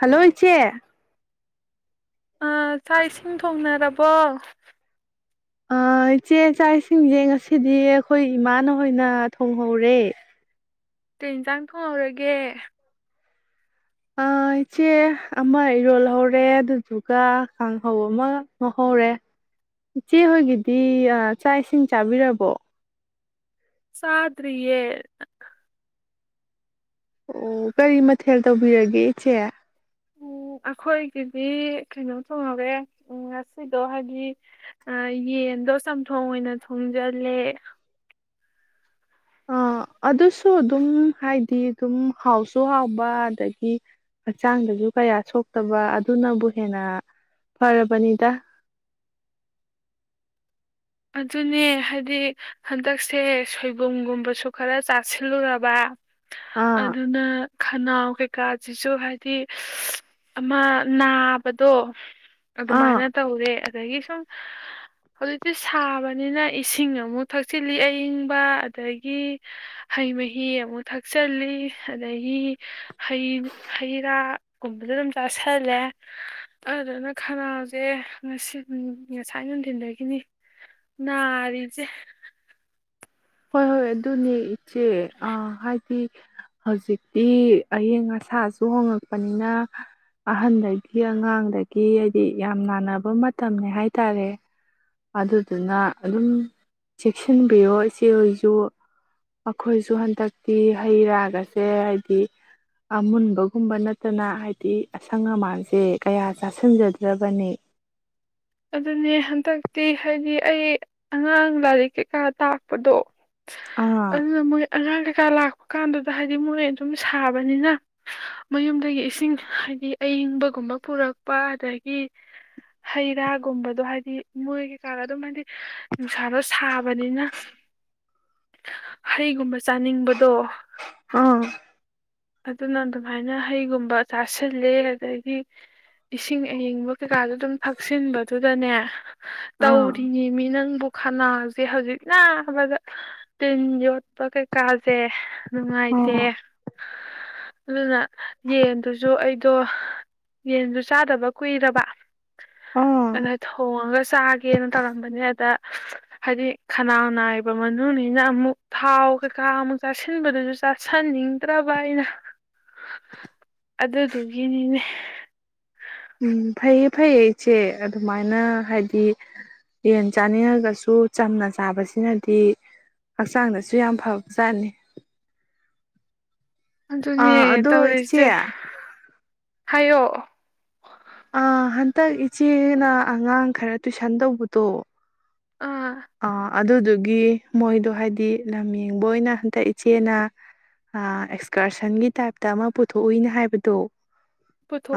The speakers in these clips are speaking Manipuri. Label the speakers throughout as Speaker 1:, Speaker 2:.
Speaker 1: ꯍꯜꯂꯣ ꯏꯆꯦ
Speaker 2: ꯑ ꯆꯥꯛ ꯏꯁꯤꯡ ꯊꯣꯡꯅꯔꯕꯣ
Speaker 1: ꯏꯆꯦ ꯏꯆꯥ ꯏꯁꯤꯡꯁꯦ ꯉꯁꯤꯗꯤ ꯑꯩꯈꯣꯏ ꯏꯃꯥꯅꯣꯏ ꯑꯣꯏꯅ ꯊꯣꯡꯍꯧꯔꯦ
Speaker 2: ꯇ ꯏꯟꯁꯥꯡ ꯊꯣꯡꯍꯧꯔꯒꯦ
Speaker 1: ꯏꯆꯦ ꯑꯃ ꯏꯔꯣꯜꯍꯧꯔꯦ ꯑꯗꯨꯗꯨꯒ ꯈꯍꯧ ꯑꯃ ꯉ ꯍꯧꯧꯔꯦ ꯏꯆꯦꯍꯣꯏꯒꯤꯗꯤ ꯆꯥꯛ ꯏꯁꯤꯡ ꯆꯥꯕꯤꯔꯕꯣ
Speaker 2: ꯆꯗ꯭ꯔꯤꯌꯦꯦ
Speaker 1: ꯑꯣ ꯀꯔꯤ ꯃꯊꯦꯜ ꯇꯧꯕꯤꯔꯒꯦ ꯏꯆꯦ
Speaker 2: ꯎ ꯑꯩꯈꯣꯏꯒꯤꯗꯤ ꯀꯩꯅꯣ ꯊꯣꯡꯍꯧꯋꯦ ꯉꯁꯤꯗꯣ ꯍꯥꯏꯗꯤ ꯌꯦꯟꯗꯣ ꯆꯝꯊꯣꯡ ꯑꯣꯏꯅ ꯊꯣꯡꯖꯤꯜꯂꯦ
Speaker 1: ꯑꯥ ꯑꯗꯨꯁꯨ ꯑꯗꯨꯝ ꯍꯥꯏꯗꯤ ꯑꯗꯨꯝ ꯍꯥꯎꯁꯨ ꯍꯥꯎꯕ ꯑꯗꯒꯤ ꯍꯛꯆꯥꯡꯗꯁꯨ ꯀꯌꯥ ꯁꯣꯛꯇꯕ ꯑꯗꯨꯅꯕꯨ ꯍꯦꯟꯅ ꯐꯔꯕꯅꯤꯗ
Speaker 2: ꯑꯗꯨꯅꯦ ꯍꯥꯏꯗꯤ ꯍꯟꯗꯛꯁꯦ ꯁꯣꯏꯕꯨꯝꯒꯨꯝꯕꯁꯨ ꯈꯔ ꯆꯥꯁꯤꯜꯂꯨꯔꯕ
Speaker 1: ꯑꯥ
Speaker 2: ꯑꯗꯨꯅ ꯈꯅꯥꯎ ꯀꯩꯀꯥꯁꯤꯁꯨ ꯍꯥꯏꯗꯤ ꯑꯃ ꯅꯥꯕꯗꯣ ꯑꯗꯨꯗ
Speaker 1: ꯑꯥ
Speaker 2: ꯃꯥꯅ ꯇ ꯍꯧꯔꯦ ꯔꯁꯪ ꯍꯧꯖꯤ ꯁꯤ ꯁꯥꯕꯅꯤꯅ ꯏꯁꯤꯡ ꯑꯃꯨꯛ ꯊꯛꯆꯤꯜꯂꯤ ꯑꯏꯪꯕ ꯑꯗꯒꯤ ꯍꯩ ꯃꯍꯤ ꯑꯃꯨꯛ ꯊꯛꯆꯤꯜꯂꯤ ꯑꯗꯒꯤꯩ ꯍꯩ ꯔꯥꯒꯨꯝꯕꯁꯨ ꯑꯗꯨꯝ ꯆꯥꯥꯁꯜꯂꯦ ꯑꯗꯨꯅ ꯈꯅꯥꯎꯁꯦ ꯉꯁꯤ ꯉꯁꯥꯏ ꯅꯨꯡꯊꯤꯟꯗꯒꯤꯅꯤ ꯔꯤꯖꯦ
Speaker 1: ꯍꯣꯏ ꯍꯣꯏ ꯑꯗꯨꯅꯦ ꯏꯆꯦ ꯍꯥꯏꯗꯤ ꯍꯧꯖꯤꯛꯇꯤ ꯑꯌꯤꯡ ꯑꯁꯥꯁꯨ ꯍꯣꯉꯛꯄꯅꯤꯅ ꯑꯍꯟꯗꯒꯤ ꯑꯉꯥꯡꯗꯒꯤ ꯍꯥꯏꯗꯤ ꯌꯥꯝ ꯅꯥꯅꯕ ꯃꯇꯝꯅꯤꯅꯦ ꯍꯥꯏꯇꯥꯔꯦ ꯑꯗꯨꯗꯨꯅ ꯑꯗꯨꯝ ꯆꯦꯛꯁꯤꯟꯕꯤꯌꯣ ꯏꯆꯦꯍꯣꯏꯁꯨ ꯃꯈꯣꯏꯁꯨ ꯍꯟꯗꯛꯇꯤ ꯍꯩ ꯔꯥꯒꯁꯦ ꯍꯥꯏꯗꯤ ꯑꯃꯨꯟꯕꯒꯨꯝꯕ ꯅꯠꯇꯅ ꯍꯥꯏꯗꯤ ꯑꯁꯪ ꯑꯃꯥꯟꯁꯦ ꯀꯌꯥ ꯆꯥꯁꯤꯟꯖꯗ꯭ꯔꯕꯅꯤ
Speaker 2: ꯑꯗꯨꯅꯦ ꯍꯟꯗꯛꯇꯤ ꯍꯥꯏꯗꯤ ꯑꯩ ꯑꯉꯥꯡ ꯂꯥꯏꯔꯤꯛ ꯀꯩꯀꯥ ꯇꯥꯛꯄꯗꯣ
Speaker 1: ꯑꯥ
Speaker 2: ꯑꯗꯨꯅ ꯃꯣꯏ ꯑꯉꯥꯡ ꯀꯩꯀꯥ ꯂꯥꯛꯄ ꯀꯥꯟꯗꯨꯗ ꯍꯥꯏꯗꯤ ꯃꯣꯏ ꯑꯗꯨꯝ ꯁꯥꯕꯅꯤꯅ ꯃꯌꯨꯝꯗꯒꯤ ꯏꯁꯤꯡ ꯍꯥꯏꯗꯤ ꯑꯌꯤꯡꯕꯒꯨꯝꯕ ꯄꯨꯔꯛꯄ ꯑꯗꯒꯤ ꯍꯩ ꯔꯥ ꯒꯨꯝꯕꯗꯣ ꯍꯥꯏꯗꯤ ꯃꯣꯏꯒꯤ ꯆꯥꯔ ꯑꯗꯨꯝ ꯍꯥꯏꯗꯤ ꯅꯨꯡꯁꯥꯗꯣ ꯁꯥꯕꯅꯤꯅ ꯍꯩꯒꯨꯝꯕ ꯆꯥꯅꯤꯡꯕꯗꯣ
Speaker 1: ꯑꯥ
Speaker 2: ꯑꯗꯨꯅ ꯑꯗꯨꯃꯥꯏꯅ ꯍꯩꯒꯨꯝꯕ ꯆꯥꯁꯤꯜꯂꯦ ꯑꯗꯒꯤ ꯏꯁꯤꯡ ꯑꯌꯤꯡꯕ ꯀꯩꯀꯥꯗꯨ ꯑꯗꯨꯝ ꯊꯛꯆꯤꯟꯕꯗꯨꯗꯅꯦ
Speaker 1: ꯑꯥ
Speaker 2: ꯇꯧꯔꯤꯅꯤ ꯃꯤ ꯅꯪꯕꯨ ꯈꯅꯥꯁꯦ ꯍꯧꯖꯤꯛ ꯅꯥꯕꯗꯥ ꯇꯤꯟꯒꯥ ꯌꯣꯟ ꯄꯣ ꯀꯩꯀꯥꯁꯦ ꯅꯨꯡꯉꯥꯏꯇꯦ
Speaker 1: ꯑꯣ
Speaker 2: ꯑꯗꯨꯅ ꯌꯦꯟꯗꯨꯁꯨ ꯑꯩꯗꯣ ꯌꯦꯟꯗꯨ ꯆꯥꯗꯕ ꯀꯨꯏꯔꯕ
Speaker 1: ꯑꯣ
Speaker 2: ꯑꯗ ꯊꯣꯡꯉꯒ ꯆꯥꯒꯦꯅ ꯇꯧꯔꯝꯕꯅꯦ ꯑꯗ ꯍꯥꯏꯗꯤ ꯈꯅꯥ ꯅꯥꯏꯕ ꯃꯅꯨꯡꯅ ꯑꯃꯨꯛ ꯊꯥꯎ ꯀꯩꯀꯥ ꯑꯃꯨꯛ ꯆꯥꯁꯤꯟꯕꯗꯁꯨ ꯆꯥꯁꯤꯟꯅꯤꯡ ꯐꯠꯇ꯭ꯔꯕ ꯍꯥꯏꯅ ꯑꯗꯨꯗꯨꯒꯤꯅꯤꯅꯦ
Speaker 1: ꯎꯝ ꯐꯩꯌꯦ ꯐꯩꯌꯦ ꯑꯩꯆꯦ ꯑꯗꯨꯃꯥꯏꯅ ꯍꯥꯏꯗꯤ ꯌꯦꯟ ꯆꯥꯅꯤꯡꯉꯒꯁꯨ ꯆꯝꯅ ꯆꯥꯕꯁꯤꯅꯗꯤ ꯍꯛꯆꯥꯡꯗꯁꯨ ꯌꯥꯝ ꯐꯕ ꯆꯥꯠꯅꯤ
Speaker 2: ꯑꯗꯨꯅꯦ
Speaker 1: ꯑꯗꯣ
Speaker 2: ꯇꯧꯔꯤꯁꯦ
Speaker 1: ꯏꯆꯦ
Speaker 2: ꯍꯥꯏꯌꯣ
Speaker 1: ꯑ ꯍꯟꯗꯛ ꯏꯆꯦꯅ ꯑꯉꯥꯡ ꯈꯔ ꯇꯨꯏꯁꯟ ꯇꯧꯕꯗꯣ
Speaker 2: ꯑꯥ
Speaker 1: ꯑ ꯑꯗꯨꯗꯨꯒꯤ ꯃꯣꯏꯗꯣ ꯍꯥꯏꯗꯤ ꯂꯝ ꯌꯦꯡꯕ ꯑꯣꯏꯅ ꯍꯟꯇ ꯏꯆꯦꯅ ꯑꯦꯛꯁꯀꯔꯁꯟꯒꯤ ꯇꯥꯏꯞꯇ ꯑꯃ ꯄꯨꯊꯣꯛꯎꯏꯅꯦ ꯍꯥꯏꯕꯗꯣ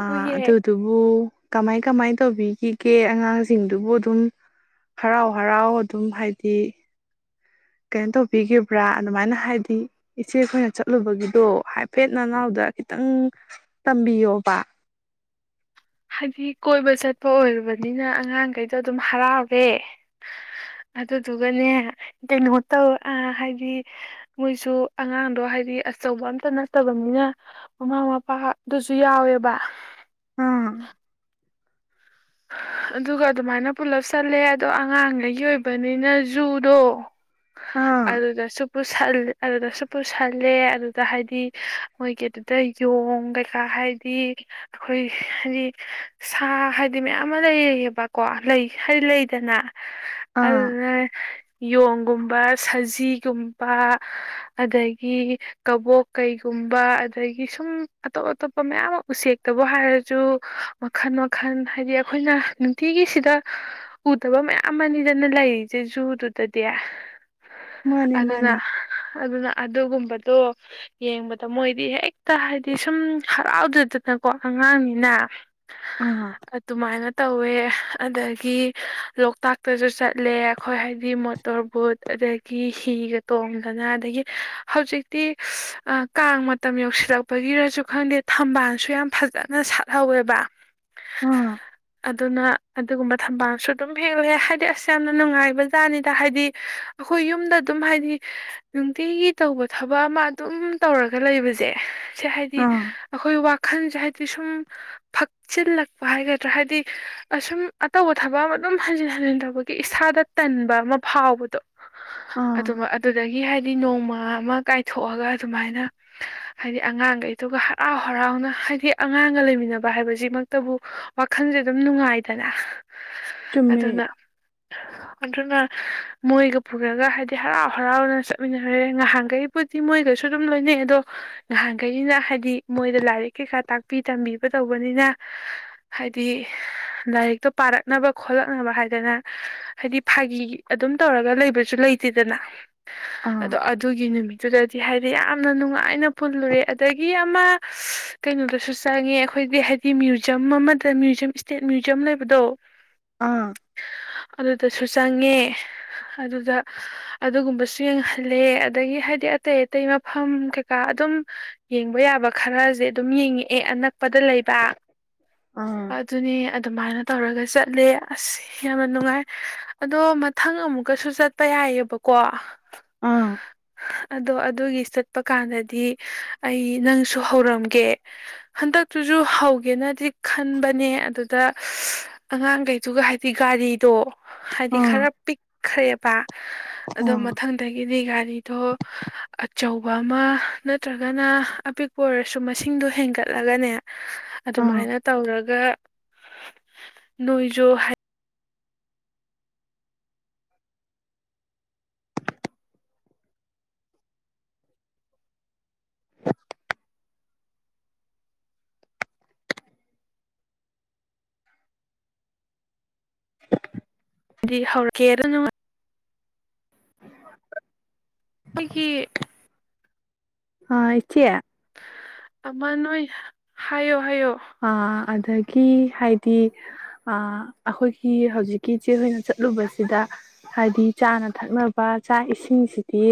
Speaker 1: ꯑ ꯑꯗꯨꯗ ꯑꯗꯨꯕꯨꯣ ꯀꯃꯥꯏ ꯀꯃꯥꯏ ꯇꯧꯕꯤꯈꯤꯒꯦ ꯑꯉꯥꯡꯁꯤꯡꯗꯨꯕꯨ ꯑꯗꯨꯝ ꯍꯔꯥꯎ ꯍꯔꯥꯎ ꯑꯗꯨꯝ ꯍꯥꯏꯗꯤ ꯀꯩꯅꯣ ꯇꯧꯕꯤꯈꯤꯕ꯭ꯔꯥ ꯑꯗꯨꯃꯥꯏꯅ ꯍꯥꯏꯗꯤ ꯏꯆꯦꯈꯣꯏꯅ ꯆꯠꯂꯨꯕꯒꯤꯗꯣ ꯍꯥꯏꯐꯦꯠ ꯅꯅꯥꯎꯗ ꯈꯤꯇꯪ ꯇꯝꯕꯤꯌꯣꯕ
Speaker 2: ꯍꯥꯏꯗꯤ ꯀꯣꯏꯕ ꯆꯠꯄ ꯑꯣꯏꯔꯨꯕꯅꯤꯅ ꯑꯉꯥꯡꯈꯩꯗꯣ ꯑꯗꯨꯝ ꯍꯔꯥꯎꯔꯦ ꯑꯗꯨꯗꯨꯒꯅꯦ ꯀꯩꯅꯣ ꯇꯧ ꯍꯥꯏꯗꯤ ꯃꯣꯏꯁꯨ ꯑꯉꯥꯡꯗꯣ ꯍꯥꯏꯗꯤ ꯑꯆꯧꯕ ꯑꯝꯇ ꯅꯠꯇꯕꯅꯤꯅ ꯃꯃꯥ ꯃꯄꯥꯗꯨꯁꯨ ꯌꯥꯎꯋꯦꯕ
Speaker 1: ꯑꯥ
Speaker 2: ꯑꯗꯨꯒ ꯑꯗꯨꯃꯥꯏꯅ ꯄꯨꯂꯞ ꯆꯠꯂꯦ ꯑꯗꯣ ꯑꯉꯥꯡꯉꯩꯒꯤ ꯑꯣꯏꯕꯅꯤꯅ ꯖꯨꯗꯣ
Speaker 1: ꯑꯥ
Speaker 2: ꯑꯗꯨꯗꯁꯨꯨꯄꯨ ꯁꯜ ꯑꯗꯨꯗꯁꯨꯨꯞꯄꯨꯁꯜ ꯈꯜꯂꯦ ꯑꯗꯨꯗ ꯍꯥꯏꯗꯤ ꯃꯣꯏꯒꯤ ꯑꯗꯨꯗ ꯌꯣꯡ ꯀꯩꯀꯥ ꯍꯥꯏꯗꯤ ꯑꯩꯈꯣꯏ ꯍꯥꯏꯗꯤ ꯁꯥ ꯍꯥꯏꯗꯤ ꯃꯌꯥꯝ ꯑꯃ ꯂꯩꯌꯦꯌꯦꯕꯀꯣ ꯂꯩ ꯍꯩ ꯂꯩꯗꯅ
Speaker 1: ꯑꯥ
Speaker 2: ꯑꯗꯨ ꯌꯣ ꯒꯨꯝꯕ ꯁꯖꯤꯒꯨꯝꯕ ꯑꯗꯒꯤ ꯀꯕꯣꯛ ꯀꯩꯒꯨꯝꯕ ꯑꯗꯒꯤ ꯁꯨꯝ ꯑꯇꯣꯞ ꯑꯇꯣꯞꯄ ꯃꯌꯥꯝ ꯑꯃ ꯎꯆꯦꯛꯇꯕꯨ ꯍꯥꯏꯔꯁꯨ ꯃꯈꯜ ꯃꯈꯜ ꯑꯩꯈꯣꯏꯅ ꯅꯨꯡꯇꯤꯒꯤꯁꯤꯗ ꯎꯗꯕ ꯃꯌꯥꯝ ꯑꯃꯅꯤ ꯐꯖꯅ ꯂꯩꯔꯤꯁꯦ ꯖꯨꯗꯨꯗꯗꯤ
Speaker 1: ꯃꯥꯅꯦ ꯃꯥꯅꯦ
Speaker 2: ꯑꯗꯨꯅ ꯑꯗꯨꯅ ꯑꯗꯨꯒꯨꯝꯕꯗꯣ ꯌꯦꯡꯕꯗ ꯃꯣꯏꯗꯤ ꯍꯦꯛꯇ ꯍꯥꯏꯗꯤ ꯁꯨꯝ ꯍꯔꯥꯎꯗꯗꯅꯀꯣ ꯑꯉꯥꯡꯅꯤꯅ
Speaker 1: ꯑ
Speaker 2: ꯑꯗꯨꯃꯥꯏꯅ ꯇꯧꯋꯦ ꯑꯗꯒꯤ ꯂꯣꯛꯇꯥꯛꯇꯁꯨ ꯆꯠꯂꯦ ꯑꯩꯈꯣꯏ ꯍꯥꯏꯗꯤ ꯃꯣꯇꯣꯔ ꯕꯨꯣꯠ ꯑꯗꯒꯤ ꯍꯤꯒ ꯇꯣꯡꯗꯅ ꯑꯗꯒꯤ ꯍꯧꯖꯤꯛꯇꯤ ꯀꯥꯡ ꯃꯇꯝ ꯌꯧꯁꯤꯜꯂꯛꯄꯒꯤꯔꯁꯨ ꯈꯪꯗꯦ ꯊꯝꯕꯥꯜꯁꯨ ꯌꯥꯝ ꯐꯖꯅ ꯁꯥꯠꯍꯧꯋꯦꯕ
Speaker 1: ꯑꯥ
Speaker 2: ꯑꯗꯨꯅ ꯑꯗꯨꯒꯨꯝꯕ ꯊꯝꯕꯥꯜꯁꯨ ꯑꯗꯨꯝ ꯍꯦꯛꯂꯑꯦ ꯍꯥꯏꯗꯤ ꯑꯁ ꯌꯥꯝꯅ ꯅꯨꯡꯉꯥꯏꯕ ꯖꯥꯠꯅꯤꯗ ꯍꯥꯏꯗꯤ ꯑꯩꯈꯣꯏ ꯌꯨꯝꯗ ꯑꯗꯨꯝ ꯍꯥꯏꯗꯤ ꯅꯨꯡꯇꯤꯒꯤ ꯇꯧꯕ ꯊꯕꯛ ꯑꯃ ꯑꯗꯨꯝ ꯇꯧꯔꯒ ꯂꯩꯕꯁꯦ ꯁꯦ ꯍꯥꯏꯗꯤ
Speaker 1: ꯑꯥ
Speaker 2: ꯑꯩꯈꯣꯏ ꯋꯥꯈꯜꯁꯦ ꯍꯥꯏꯗꯤ ꯁꯨꯝ ꯆꯤꯜꯂꯛ ꯍꯥꯏꯒꯗ꯭ꯔꯥ ꯍꯥꯏꯗꯤ ꯑꯁꯨꯝ ꯑꯇꯧꯕ ꯊꯕꯛ ꯑꯃ ꯑꯗꯨꯝ ꯍꯟꯖꯤꯟ ꯍꯟꯖꯤꯟ ꯇꯧꯕꯒꯤ ꯏꯁꯥꯗ ꯇꯟꯕ ꯑꯃ ꯐꯥꯎꯕꯗꯣ
Speaker 1: ꯑꯥ
Speaker 2: ꯑꯗꯨ ꯑꯗꯨꯗꯒꯤ ꯍꯥꯏꯗꯤ ꯍꯥꯏꯗꯤ ꯅꯣꯡꯃ ꯑꯃ ꯀꯥꯏꯊꯣꯛꯑꯒ ꯑꯗꯨꯃꯥꯏꯅ ꯍꯥꯏꯗꯤ ꯑꯉꯥꯡꯈꯩꯗꯨꯒ ꯍꯔꯥꯎ ꯍꯔꯥꯎꯅ ꯍꯥꯏꯗꯤ ꯑꯉꯥꯡꯒ ꯂꯩꯃꯤꯟꯅꯕ ꯍꯥꯏꯕꯁꯤꯃꯛꯇꯕꯨ ꯋꯥꯈꯟꯁꯦ ꯑꯗꯨꯝ ꯅꯨꯡꯉꯥꯏꯗꯅ
Speaker 1: ꯆꯨꯝꯃꯦ
Speaker 2: ꯑꯗꯨꯅ ꯑꯗꯨꯅ ꯃꯣꯏꯒ ꯄꯨꯔꯒ ꯍꯥꯏꯗꯤ ꯍꯔꯥꯎ ꯍꯔꯥꯎꯅ ꯆꯠꯃꯤꯟꯅꯔꯦ ꯉꯍꯥꯟꯈꯩꯕꯨꯗꯤ ꯃꯣꯏꯒꯩꯁꯨ ꯑꯗꯨꯝ ꯂꯣꯏꯅꯩ ꯑꯗꯣ ꯉꯍꯥꯟꯈꯩꯅ ꯍꯥꯏꯗꯤ ꯃꯣꯏꯗ ꯂꯥꯏꯔꯤꯛ ꯀꯩꯀꯥ ꯇꯥꯛꯄꯤ ꯇꯝꯕꯤꯕ ꯇꯧꯕꯅꯤꯅ ꯍꯥꯏꯗꯤ ꯂꯥꯏꯔꯤꯛꯇꯣ ꯄꯥꯔꯛꯅꯕ ꯈꯣꯠꯂꯛꯅꯕ ꯍꯥꯏꯗꯅ ꯍꯥꯏꯗꯤ ꯐꯥꯒꯤ ꯑꯗꯨꯝ ꯇꯧꯔꯒ ꯂꯩꯕꯁꯨ ꯂꯩꯇꯦꯗꯅ
Speaker 1: ꯑꯥ
Speaker 2: ꯑꯗꯣ ꯑꯗꯨꯒꯤ ꯅꯨꯃꯤꯠ ꯑꯗꯨꯗꯗꯤ ꯍꯥꯏꯗꯤ ꯌꯥꯝꯅ ꯅꯨꯡꯉꯥꯏꯅ ꯄꯨꯜꯂꯨꯔꯦ ꯑꯗꯒꯤ ꯑꯃ ꯀꯩꯅꯣꯗꯁꯨ ꯆꯪꯉꯦ ꯑꯩꯈꯣꯏꯗꯤ ꯍꯥꯏꯗꯤ ꯃ꯭ꯌꯨꯖꯝ ꯑꯃ ꯅꯠꯇ ꯃ꯭ꯌꯨꯝ ꯏꯁꯇꯦꯠ ꯃ꯭ꯌꯨꯖꯤꯌꯝ ꯂꯩꯕꯗꯣ
Speaker 1: ꯑꯥ
Speaker 2: ꯑꯗꯨꯗꯁꯨ ꯆꯪꯉꯦ ꯑꯗꯨꯗ ꯑꯗꯨꯒꯨꯝꯕꯁꯨ ꯌꯦꯡꯍꯜꯂꯦ ꯑꯗꯒꯤ ꯍꯥꯏꯗꯤ ꯑꯇꯩ ꯑꯇꯩ ꯃꯐꯝ ꯀꯩꯀꯥ ꯑꯗꯨꯝ ꯌꯦꯡꯕ ꯌꯥꯕ ꯈꯔꯁꯦ ꯑꯗꯨꯝ ꯌꯦꯡꯉꯛꯑꯦ ꯑꯅꯛꯄꯗ ꯂꯩꯕ
Speaker 1: ꯑꯥ ꯑꯥ
Speaker 2: ꯑꯗꯨ ꯑꯗꯨꯅꯦ ꯑꯗꯨꯃꯥꯏꯅ ꯇꯧꯔꯒ ꯆꯠꯂꯦ ꯑꯁ ꯌꯥꯝꯅ ꯅꯨꯡꯉꯥꯏ ꯑꯗꯣ ꯃꯊꯪ ꯑꯃꯨꯛꯀꯁꯨ ꯆꯠꯄ ꯌꯥꯏꯑꯕꯀꯣ
Speaker 1: ꯑꯥ
Speaker 2: ꯑꯗꯣ ꯑꯗꯨꯒꯤ ꯆ ꯆꯠꯄ ꯀꯥꯟꯗꯗꯤ ꯑꯩ ꯅꯪꯁꯨ ꯍꯧꯔꯝꯒꯦ ꯍꯟꯗꯛꯇꯨꯁꯨ ꯍꯧꯒꯦꯅꯗꯤ ꯈꯟꯕꯅꯦ ꯑꯗꯨꯗ ꯑꯉꯥꯡꯈꯩꯗꯨꯒ ꯍꯥꯏꯗꯤ ꯒꯥꯔꯤꯗꯣ ꯍꯥꯏꯗꯤ ꯈꯔ
Speaker 1: ꯑꯥ
Speaker 2: ꯄꯤꯛꯈ꯭ꯔꯦ ꯄ ꯑꯗꯣ ꯃꯊꯪꯗꯒꯤꯗꯤ ꯒꯥꯔꯤꯗꯣ ꯑꯆꯧꯕ ꯑꯃ ꯅꯠꯇ꯭ꯔꯒꯅ ꯑꯄꯤꯛꯄ ꯑꯣꯏꯔꯁꯨ ꯃꯁꯤꯡꯗꯣ ꯍꯦꯟꯒꯠꯂꯒꯅꯦ
Speaker 1: ꯑꯥ
Speaker 2: ꯑꯗꯨꯃꯥꯏꯅ ꯇꯧꯔꯒ ꯅꯣꯏꯁꯨ ꯍꯧꯔꯛꯀꯦ ꯑꯗꯨ ꯅꯨꯡꯉ
Speaker 1: ꯎ
Speaker 2: ꯑꯩꯈꯣꯏꯒꯤ
Speaker 1: ꯑ ꯏꯆꯌꯥ
Speaker 2: ꯑꯃꯃꯥꯟꯣꯏ ꯍꯥꯏꯥꯏꯣ
Speaker 1: ꯑ ꯑꯗꯒꯤ ꯍꯥꯏꯗꯤ ꯑꯥ ꯑꯩꯈꯣꯏꯒꯤ ꯍꯧꯖꯤꯛꯀꯤ ꯏꯆꯦ ꯍꯣꯏꯅ ꯆꯠꯂꯨꯕꯁꯤꯗ ꯍꯥꯏꯗꯤ ꯆꯥꯅ ꯊꯛꯅꯕ ꯆꯥꯛ ꯏꯁꯤꯡꯁꯤꯗꯤ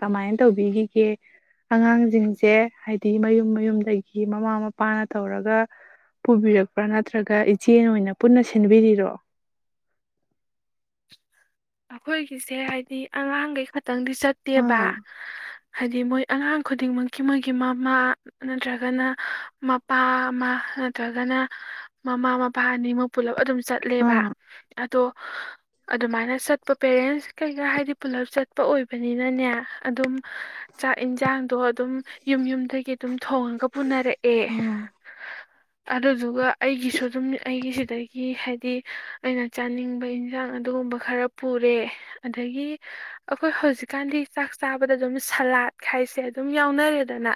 Speaker 1: ꯀꯃꯥꯏꯅ ꯇꯧꯕꯤꯈꯤꯒꯦ ꯑꯉꯥꯡꯁꯤꯡꯁꯦ ꯍꯥꯏꯗꯤ ꯃꯌꯨꯝ ꯃꯌꯨꯝꯗꯒꯤ ꯃꯃꯥ ꯃꯄꯥꯅ ꯇꯧꯔꯒ ꯄꯨꯕꯤꯔꯛꯄ꯭ꯔꯥ ꯅꯠꯇ꯭ꯔꯒ ꯏꯆꯦ ꯑꯣꯏꯅ ꯄꯨꯟꯅ ꯁꯤꯟꯕꯤꯔꯤꯔꯣ
Speaker 2: ꯑꯩꯈꯣꯏꯒꯤꯁꯦ ꯍꯥꯏꯗꯤ ꯑꯉꯥꯡꯈꯩ ꯈꯤꯇꯪꯗꯤ ꯆꯠꯇꯦꯕ
Speaker 1: ꯑꯥ
Speaker 2: ꯍꯥꯏꯗꯤ ꯃꯣꯏ ꯑꯉꯥꯡ ꯈꯨꯗꯤꯡꯃꯛꯀꯤ ꯃꯣꯏꯒꯤ ꯃꯃꯥ ꯅꯠꯇ꯭ꯔꯒꯅ ꯃꯄꯥ ꯑꯃ ꯅꯠꯇ꯭ꯔꯒꯅ ꯃꯃꯥ ꯃꯄꯥ ꯑꯅꯤ ꯃꯛ ꯄꯨꯂꯞ ꯑꯗꯨꯝ ꯆꯠꯂꯦꯕ
Speaker 1: ꯑꯥ
Speaker 2: ꯑꯗꯣ ꯑꯗꯨꯃꯥꯏꯅ ꯆꯠꯄ ꯄꯦꯔꯦꯟꯁ ꯀꯩꯀꯥ ꯍꯥꯏꯗꯤ ꯄꯨꯂꯞ ꯆꯠꯄ ꯑꯣꯏꯕꯅꯤꯅꯅꯦ ꯑꯗꯨꯝ ꯆꯥꯛ ꯌꯦꯟꯁꯥꯡꯗꯣ ꯑꯗꯨꯝ ꯌꯨꯝ ꯌꯨꯝ ꯊꯩ ꯒꯤ ꯑꯗꯨꯝ ꯊꯣꯉꯒ ꯄꯨꯅꯔꯛꯑꯦ
Speaker 1: ꯑꯥ
Speaker 2: ꯑꯗꯨꯗꯨꯒ ꯑꯩꯒꯤꯁꯨ ꯑꯗꯨꯝ ꯑꯩꯒꯤꯁꯤꯗꯒꯤ ꯍꯥꯏꯗꯤ ꯑꯩꯅ ꯆꯥꯅꯤꯡ ꯄꯩꯅ ꯌꯦꯟꯁꯥꯡ ꯑꯗꯨꯒꯨꯝꯕ ꯈꯔ ꯄꯨꯔꯦ ꯑꯗꯒꯤ ꯑꯩꯈꯣꯏ ꯍꯧꯖꯤꯛꯀꯥꯟꯗꯤ ꯆꯥꯛ ꯆꯥꯕꯗ ꯑꯗꯨꯝ ꯁꯂꯥꯠ ꯈꯥꯏꯁꯦ ꯑꯗꯨꯝ ꯌꯥꯎꯅꯔꯦꯗꯅ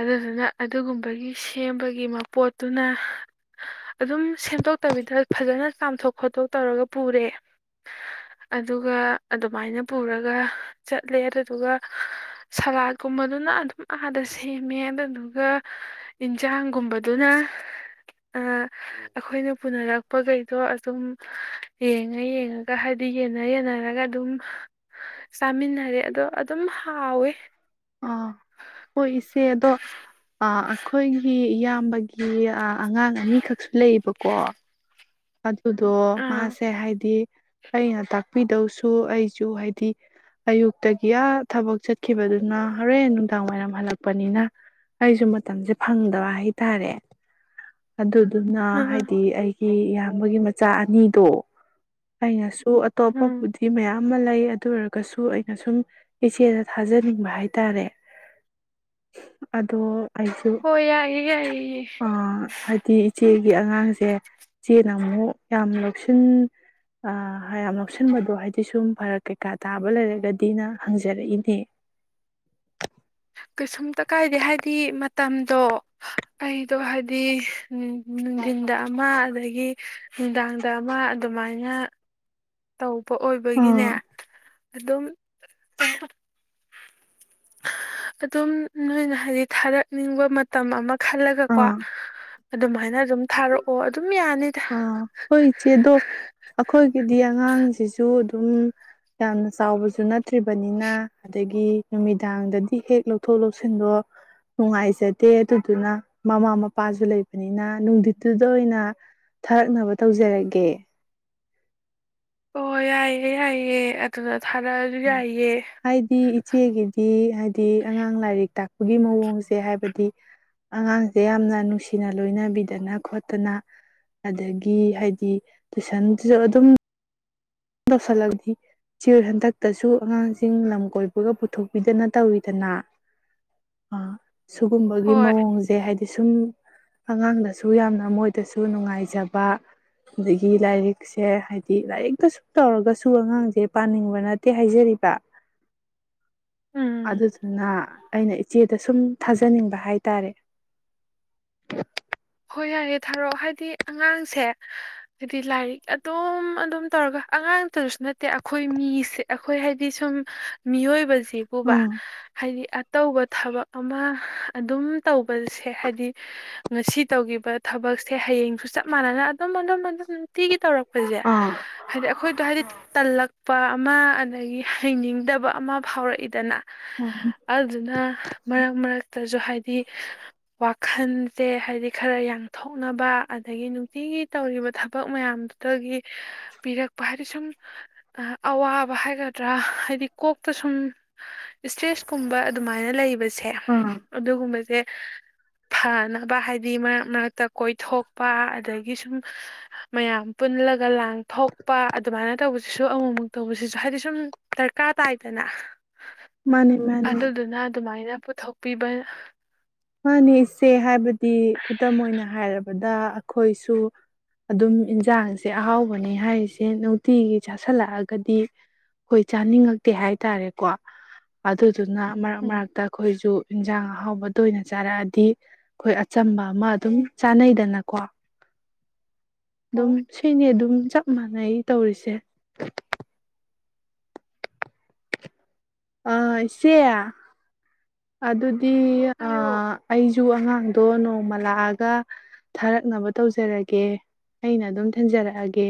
Speaker 2: ꯑꯗꯨꯗꯨꯅ ꯑꯗꯨꯒꯨꯝꯕꯒꯤ ꯁꯦꯝꯕꯒꯤ ꯃꯄꯣꯠꯇꯨꯅ ꯑꯗꯨꯝ ꯁꯦꯝꯗꯣꯛꯇꯕꯤꯗ ꯐꯖꯅ ꯆꯥꯝꯊꯣꯛ ꯈꯣꯠꯇꯣꯛ ꯇꯧꯔꯒ ꯄꯨꯔꯦ ꯑꯗꯨꯒ ꯑꯗꯨꯃꯥꯏꯅ ꯄꯨꯔꯒ ꯆꯠꯂꯦ ꯑꯗꯨꯗꯨꯒ ꯁꯂꯥꯠꯀꯨꯝꯕꯗꯨꯅ ꯑꯗꯨꯝ ꯑꯥꯗ ꯁꯦꯝꯃꯦ ꯑꯗꯨꯗꯨꯒ ꯏꯟꯖꯥꯡꯒꯨꯝꯕꯗꯨꯅ ꯑꯩꯈꯣꯏꯅ ꯄꯨꯅꯔꯛꯄꯈꯩꯗꯣ ꯑꯗꯨꯝ ꯌꯦꯡꯉ ꯌꯦꯡꯉꯒ ꯍꯥꯏꯗꯤ ꯌꯦꯟꯅ ꯌꯦꯟꯅꯔꯒ ꯑꯗꯨꯝ ꯆꯥꯃꯤꯟꯅꯔꯦ ꯑꯗꯣ ꯑꯗꯨꯝ ꯍꯥꯥꯎꯋꯦ
Speaker 1: ꯑꯥ ꯍꯣꯏ ꯏꯆꯦ ꯑꯗꯣ ꯑꯩꯈꯣꯏꯒꯤ ꯏꯌꯥꯝꯕꯒꯤ ꯑꯉꯥꯡ ꯑꯅꯤꯈꯛꯁꯨ ꯂꯩꯌꯦꯕꯀꯣ ꯑꯗꯨꯗꯣ
Speaker 2: ꯑꯥ
Speaker 1: ꯃꯥꯁꯦ ꯍꯥꯏꯗꯤ ꯑꯩꯅ ꯇꯥꯛꯄꯤꯗꯧꯁꯨ ꯑꯩꯁꯨ ꯍꯥꯏꯗꯤ ꯑꯌꯨꯛꯇꯒꯤ ꯑ ꯊꯕꯛ ꯆꯠꯈꯤꯕꯗꯨꯅ ꯍꯣꯔꯦꯟ ꯅꯨꯡꯗꯥꯡ ꯋꯥꯏꯔꯝ ꯍꯜꯂꯛꯄꯅꯤꯅ ꯑꯩꯁꯨ ꯃꯇꯝꯁꯦ ꯐꯪꯗꯕ ꯍꯥꯏꯇꯥꯔꯦ ꯑꯗꯨ ꯑꯗꯨꯅ
Speaker 2: ꯑꯥ
Speaker 1: ꯍꯥꯏꯗꯤ ꯑꯩ ꯃꯤ ꯌꯥꯝ ꯒꯤ ꯃꯆꯥ ꯑꯅꯤꯗꯣ ꯑꯩꯅꯁꯨ
Speaker 2: ꯎꯝ
Speaker 1: ꯑꯇꯣꯞꯄꯕꯨꯗꯤ ꯃꯌꯥꯝ ꯑꯃ ꯂꯩ ꯑꯗꯨ ꯑꯣꯏꯔꯒꯁꯨ ꯑꯩꯅ ꯁꯨꯝ ꯏꯆꯦꯗ ꯊꯥꯖꯅꯤꯡꯕ ꯍꯥꯏꯇꯥꯔꯦ ꯑꯗꯣ ꯑꯩꯁꯨ
Speaker 2: ꯍꯣꯏ ꯌꯥꯏꯌꯦ ꯌꯥꯏꯌꯦ
Speaker 1: ꯑ ꯍꯥꯏꯗꯤ ꯏꯆꯦꯒꯤ ꯑꯉꯥꯡꯁꯦ ꯆꯦꯅ ꯑꯃꯨꯛ ꯌꯥꯝ ꯂꯧꯁꯤꯟ ꯑ ꯌꯥꯝ ꯂꯧꯁꯤꯟꯕꯗꯣ ꯍꯥꯏꯗꯤ ꯁꯨꯝ ꯐꯔꯛ ꯀꯩꯀꯥ ꯇꯥꯕ ꯂꯩꯔꯒꯗꯤꯅ ꯍꯪꯖꯔꯛꯏꯅꯦ
Speaker 2: ꯀꯩꯁꯨꯝꯇ ꯀꯥꯏꯗꯦ ꯍꯥꯏꯗꯤ ꯃꯇꯝꯗꯣ ꯑꯩꯗꯣ ꯍꯥꯏꯗꯤ ꯅꯨꯡꯙꯤꯟꯗ ꯑꯃ ꯑꯗꯒꯤ ꯅꯨꯡꯗꯥꯡꯗ ꯑꯃ ꯑꯗꯨꯃꯥꯏꯅ ꯇꯧ ꯄ ꯑꯣꯏꯕꯒꯤꯅꯦ
Speaker 1: ꯑꯥ
Speaker 2: ꯑꯗꯨꯝ ꯑꯗꯨꯝ ꯅꯣꯏꯅ ꯍꯥꯏꯗꯤ ꯊꯥꯔꯛꯅꯤꯡꯕ ꯃꯇꯝ ꯑꯃ ꯈꯜꯂꯒꯀꯣ
Speaker 1: ꯑꯥ
Speaker 2: ꯑꯗꯨꯃꯥꯏꯅ ꯑꯗꯨꯝ ꯊꯥꯔꯛꯑꯣ ꯑꯗꯨ
Speaker 1: ꯑ ꯍꯣꯏ ꯆꯦꯗꯣ ꯑꯩꯈꯣꯏꯒꯤꯗꯤ ꯑꯉꯥꯡ ꯑꯉꯥꯡꯁꯤꯁꯨ ꯑꯗꯨꯝ ꯌꯥꯝꯅ ꯆꯥꯎꯕꯁꯨ ꯅꯠꯇ꯭ꯔꯤꯕꯅꯤꯅ ꯑꯗꯒꯤ ꯅꯨꯃꯤꯗꯥꯡꯗꯗꯤ ꯍꯦꯛ ꯂꯧꯊꯣꯛ ꯂꯧꯁꯤꯟꯗꯣ ꯅꯨꯡꯉꯥꯏꯖꯗꯦ ꯑꯗꯨꯗꯨꯅ ꯃꯃꯥ ꯃꯄꯥꯁꯨ ꯂꯩꯕꯅꯤꯅ ꯅꯨꯡꯗꯤꯠꯇꯨꯗ ꯑꯣꯏꯅ ꯊꯥꯔꯛꯅꯕ ꯇꯧꯖꯔꯒꯦ
Speaker 2: ꯑꯣ ꯌꯥꯏꯌꯦꯦ ꯌꯥꯏꯌꯦꯦ ꯑꯗꯨꯗ ꯊꯥꯔꯛꯑꯁꯨ ꯌꯥꯏꯌꯦ
Speaker 1: ꯍꯥꯏꯗꯤ ꯏꯆꯦꯒꯤꯗꯤ ꯍꯥꯏꯗꯤ ꯑꯉꯥꯡ ꯂꯥꯏꯔꯤꯛ ꯇꯥꯛꯄꯒꯤ ꯃꯑꯣꯡꯁꯦ ꯍꯥꯏꯕꯗꯤ ꯑꯉꯥꯡꯁꯦ ꯌꯥꯝꯅ ꯅꯨꯡꯁꯤꯅ ꯂꯣꯏꯅꯕꯤꯗꯅ ꯈꯣꯠꯇꯅ ꯑꯗꯒꯤ ꯍꯥꯏꯗꯤ ꯇꯨꯏꯁꯟꯗꯨꯁꯨ ꯑꯗꯨꯝ ꯇꯧꯁꯤꯜꯂꯒꯗꯤ ꯆꯦꯔꯣꯏ ꯍꯟꯗꯛꯇꯁꯨ ꯑꯉꯥꯡꯁꯤꯡ ꯂꯝ ꯀꯣꯏꯕꯒ ꯄꯨꯊꯣꯛꯄꯤꯗꯅ ꯇꯧꯋꯤꯗꯅ ꯑ ꯁꯤꯨꯒꯨꯝꯕꯒꯤ
Speaker 2: ꯍꯣꯏ
Speaker 1: ꯃꯑꯣꯡꯁꯦ ꯍꯥꯏꯗꯤ ꯍꯥꯏꯗꯤ ꯁꯨꯝ ꯑꯉꯥꯡꯗꯁꯨ ꯌꯥꯝꯅ ꯃꯣꯏꯗꯁꯨ ꯅꯨꯡꯉꯥꯏꯖꯕ ꯑꯗꯒꯤ ꯂꯥꯏꯔꯤꯛꯁꯦ ꯍꯥꯏꯗꯤ ꯂꯥꯏꯔꯤꯛꯇꯁꯨ ꯇꯧꯔꯒꯁꯨ ꯑꯉꯥꯡꯁꯦ ꯄꯥꯅꯤꯡꯕ ꯅꯠꯇꯦ ꯍꯥꯏꯖꯔꯤꯕ
Speaker 2: ꯎꯝ
Speaker 1: ꯑꯗꯨꯁꯨꯅ ꯑꯩꯅ ꯏꯆꯦꯗ ꯁꯨꯝ ꯊꯥꯖꯅꯤꯡꯕ ꯍꯥꯏꯇꯥꯔꯦ
Speaker 2: ꯍꯣꯏ ꯌꯥꯔꯦ ꯊꯥꯔꯛ ꯍꯥꯏꯗꯤ ꯑꯉꯥꯡꯁꯦ ꯍꯥꯏꯗꯤ ꯂꯥꯏꯔꯤꯛ ꯑꯗꯨꯝ ꯑꯗꯨꯝ ꯇꯧꯔꯒ ꯑꯉꯥꯡꯇꯗꯁꯨ ꯅꯠꯇꯦ ꯑꯩꯈꯣꯏ ꯃꯤꯁꯦ ꯑꯩꯈꯣꯏ ꯍꯥꯏꯗꯤ ꯁꯨꯝ ꯃꯤꯑꯣꯏꯕꯁ ꯄꯨꯕ
Speaker 1: ꯑꯥ
Speaker 2: ꯍꯥꯏꯗꯤ ꯇꯧꯕ ꯊꯕꯛ ꯑꯃ ꯑꯗꯨꯝ ꯇꯧꯕꯁꯦ ꯍꯥꯏꯗꯤ ꯉꯁꯤ ꯇꯧꯈꯤꯕ ꯊꯕꯛꯁꯦ ꯍꯌꯦꯡ ꯁꯨ ꯆꯞ ꯃꯥꯟꯅꯅ ꯑꯗꯨꯝ ꯑꯗꯨꯝ ꯑꯗꯨꯝ ꯅꯨꯡꯇꯤꯒꯤ ꯇꯧꯔꯛꯄꯁꯦ
Speaker 1: ꯑꯥ
Speaker 2: ꯍꯥꯏꯗꯤ ꯑꯩꯈꯣꯏꯗꯣ ꯍꯥꯏꯗꯤ ꯇꯜꯂꯛ ꯄꯥ ꯑꯃ ꯑꯗꯒꯤ ꯍꯩꯅꯤꯡꯗꯕ ꯑꯃ ꯐꯥꯎꯔꯛꯏꯗꯅ ꯑꯗꯨꯅ ꯃꯔꯛ ꯃꯔꯛꯇꯁꯨ ꯍꯥꯏꯗꯤ ꯋꯥꯈꯜꯁꯦ ꯍꯥꯏꯗꯤ ꯈꯔ ꯌꯥꯡꯊꯣꯛꯅꯕ ꯑꯗꯒꯤ ꯅꯨꯡꯇꯤꯒꯤ ꯇꯧꯔꯤꯕ ꯊꯕꯛ ꯃꯌꯥꯝꯗꯨ ꯄꯤꯔꯛꯄ ꯍꯥꯏꯗꯤ ꯁꯨꯝ ꯑꯋꯥꯕ ꯍꯥꯏꯒꯗꯥ ꯍꯥꯏꯗꯤ ꯀꯣꯛꯇꯨꯝꯦꯨꯝ ꯁꯦ ꯑꯗꯨꯒꯨꯝꯕꯁꯦ ꯐꯥꯅꯕ ꯍꯥꯏꯗꯤ ꯍꯥꯏꯗꯤ ꯃꯔꯛ ꯃꯔꯛꯇ ꯀꯣꯏꯊꯣꯛꯄ ꯑꯗꯒꯤ ꯁꯨꯝ ꯃꯌꯥꯝ ꯄꯨꯜꯂꯒ ꯂꯥꯡ ꯊꯣꯛꯄ ꯑꯗꯨꯃꯥꯏꯅ ꯇꯧꯕꯁꯤꯁꯨ ꯑꯃꯨꯛꯃꯨꯛ ꯇꯧꯕꯁꯤꯁꯨ ꯍꯥꯏꯗꯤ ꯁꯨꯝ ꯗꯔꯀꯥꯔ ꯇꯥꯏꯗꯅ
Speaker 1: ꯃꯥꯅꯦ ꯃꯥꯅꯦ
Speaker 2: ꯑꯗꯨꯗꯨꯅ ꯑꯗꯨꯃꯥꯏꯅ ꯄꯨꯊꯣꯛꯄꯤꯕ
Speaker 1: ꯃꯥꯅꯦ ꯏꯆꯦ ꯍꯥꯏꯕꯗꯤ ꯈꯨꯗꯝ ꯑꯣꯏꯅ ꯍꯥꯏꯔꯕꯗ ꯑꯩꯈꯣꯏꯁꯨ ꯑꯗꯨꯝ ꯏꯟꯁꯥꯡꯁꯦ ꯑꯍꯥꯎꯕꯅꯤ ꯍꯥꯏꯔꯤꯁꯦ ꯅꯨꯡꯇꯤꯒꯤ ꯆꯥꯥꯁꯜꯂꯛꯑꯒꯗꯤ ꯑꯩꯈꯣꯏ ꯆꯥꯅꯤꯡꯉꯛꯇꯦ ꯍꯥꯏ ꯇꯔꯦꯀꯣ ꯑꯗꯨ ꯑꯗꯨꯅ ꯃꯔꯛ
Speaker 2: ꯎꯝ
Speaker 1: ꯃꯔꯛꯇ ꯑꯩꯈꯣꯏꯁꯨ ꯌꯦꯟꯁꯥꯡ ꯑꯍꯥꯎꯕꯗ ꯇꯣꯏꯅ ꯆꯥꯔꯛꯑꯗꯤ ꯑꯩꯈꯣꯏ ꯑꯆꯝꯕ ꯑꯃ ꯑꯗꯨꯝ ꯆꯥꯅꯩꯗꯅꯀꯣ ꯑꯗꯨꯝ
Speaker 2: ꯍꯣꯏ
Speaker 1: ꯁꯤꯅꯤ ꯑꯗꯨꯝ ꯆꯞ ꯃꯥꯟꯅꯩ ꯇꯧꯔꯤꯁꯦ ꯑ ꯏ ꯁꯤꯦꯌꯥ ꯑꯗꯨ ꯑ
Speaker 2: ꯍꯥꯏꯌꯣ
Speaker 1: ꯑꯩ ꯖꯨ ꯑꯉꯥꯡꯗꯣ ꯅꯣꯡꯃ ꯂꯥꯛꯑꯒ ꯊꯥꯔꯛꯅꯕ ꯇꯧꯖꯔꯒꯦ ꯑꯩꯅ ꯑꯗꯨꯝ ꯊꯤꯟꯖꯔꯛꯑꯒꯦ